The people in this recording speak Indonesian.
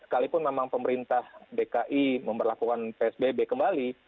sekalipun memang pemerintah dki memperlakukan psbb kembali